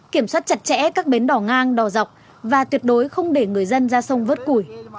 kiểm soát chặt chẽ các bến đỏ ngang đỏ dọc và tuyệt đối không để người dân ra sông vớt củi